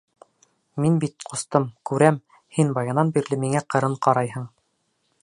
Мин бит, ҡустым, күрәм, һин баянан бирле миңә ҡырын ҡарайһың.